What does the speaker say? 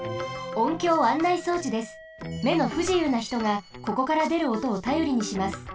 めのふじゆうなひとがここからでるおとをたよりにします。